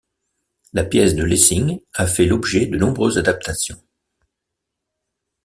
La pièce de Lessing a fait l'objet de nombreuses adaptations.